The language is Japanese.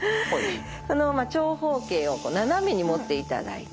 このまま長方形を斜めに持っていただいて。